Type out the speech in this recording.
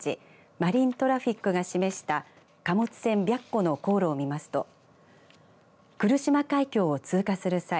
マリントラフィックが示した貨物船、白虎の航路を見ますと来島海峡を通過する際